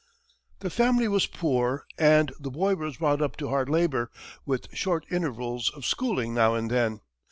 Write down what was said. The family was poor and the boy was brought up to hard labor, with short intervals of schooling now and then.